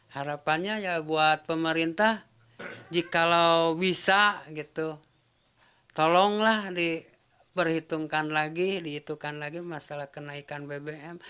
harapannya ya buat pemerintah jika bisa gitu tolonglah diperhitungkan lagi dihitungkan lagi masalah kenaikan bbm